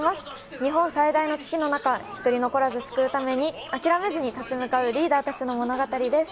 日本最大の危機の中、一人残らず救うために諦めずに立ち向かうリーダーたちの物語です。